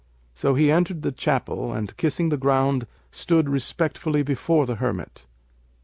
So he entered the chapel and, kissing the ground stood respectfully before the hermit.